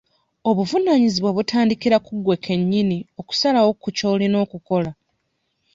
Obuvunaanyizibwa butandikira ku gwe ke nnyini okusalawo ku ky'olina okukola.